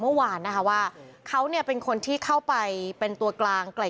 เมื่อวานนะคะว่าเขาเนี่ยเป็นคนที่เข้าไปเป็นตัวกลางไกล